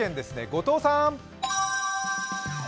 後藤さん。